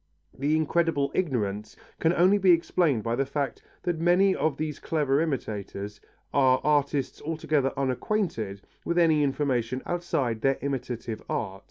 This incredible ignorance can only be explained by the fact that many of these clever imitators, are artists altogether unacquainted with any information outside their imitative art.